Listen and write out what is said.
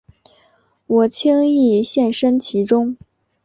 我轻易陷身其中